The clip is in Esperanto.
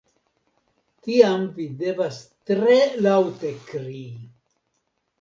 Tiam vi devas tre laŭte krii.